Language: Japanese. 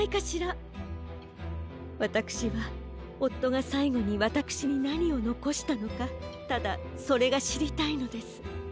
わたくしはおっとがさいごにわたくしになにをのこしたのかただそれがしりたいのです。